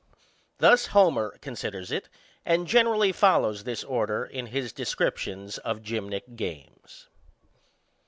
Thus Homer considers it, and generally follows this order in his descriptions of gjrmnic games.